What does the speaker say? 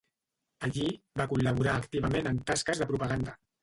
Allí va col·laborar activament en tasques de propaganda.